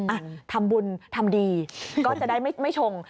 อ่ะทำบุญทำดีก็จะได้ไม่ชง